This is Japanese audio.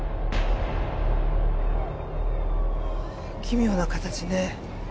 奇妙な形ね。